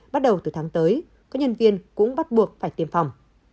bắt đầu từ tháng tới các nhân viên cũng bắt buộc phải tiêm phòng